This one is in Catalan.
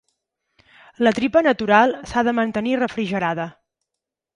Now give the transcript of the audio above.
La tripa natural s'ha de mantenir refrigerada.